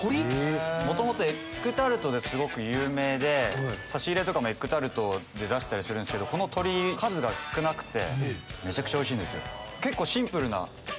元々エッグタルトですごく有名で差し入れとかもエッグタルト出したりするんですけどこの鶏数が少なくてめちゃくちゃおいしいんですよ。